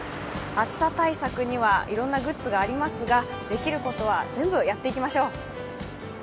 暑さ対策にはいろんなグッズがありますができることは全部やっていきましょう。